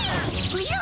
おじゃ？